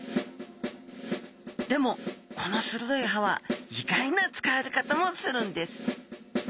でもこのするどい歯は意外な使われ方もするんです